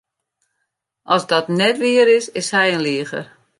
As dat net wier is, is hy in liger.